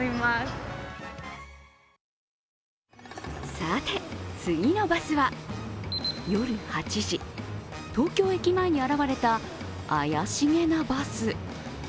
さて次のバスは夜８時、東京駅前に現れた怪しげなバス。